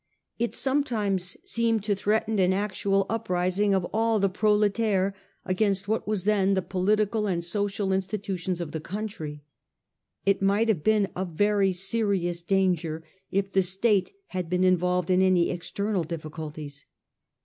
It sometimes seemed to threaten an actual uprising of all the proletaire against what were then the political and social insti tutions of the country. It might have been a very serious danger if the State had been involved in any external difficulties.